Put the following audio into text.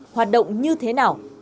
hoạt động như thế nào